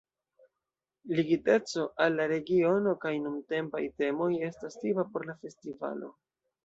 Ligiteco al la regiono kaj nuntempaj temoj estas tipa por la festivalo.